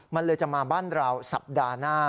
มันเลยจะมาบ้านเราสัปดาห์หน้า